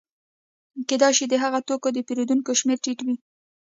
کېدای شي د هغه توکو د پېرودونکو شمېره ټیټه وي